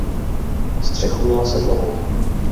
Střechu měla sedlovou.